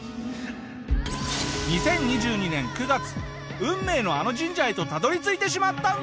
２０２２年９月運命のあの神社へとたどり着いてしまったんだ！